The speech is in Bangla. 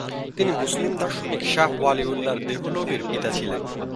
তিনি মুসলিম দার্শনিক শাহ ওয়ালিউল্লাহ দেহলভির পিতা ছিলেন।